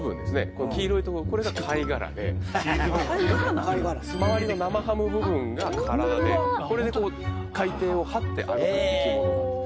この黄色いところこれが貝殻であっ貝殻なんだ周りの生ハム部分が体であっホントだこれでこう海底をはって歩く生き物なんです